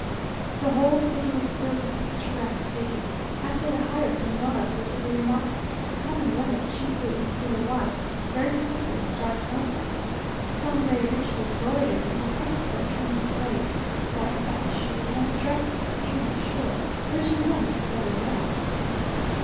The whole city was filled with picturesque figures. After the higher Señoras were to be remarked the common women, chiefly in clear white, very stiffly starched muslins, some very richly embroidered, and the petticoat trimmed with lace, white satin shoes, and the dresses extremely short, which in them looks very well.